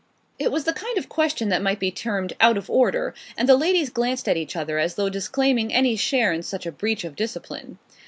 It was the kind of question that might be termed out of order, and the ladies glanced at each other as though disclaiming any share in such a breach of discipline.